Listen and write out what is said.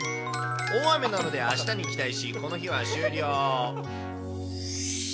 大雨なので、あしたに期待し、この日は終了。